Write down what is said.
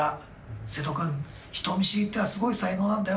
瀬戸君、人見知りっていうのはすごい才能なんだよ。